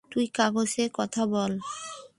তুই কাজের কথা বল।